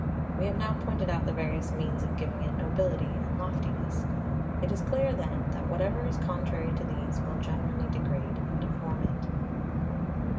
We have now pointed out the various means of giving it nobility and loftiness. It is clear, then, that whatever is contrary to these will generally degrade and deform it.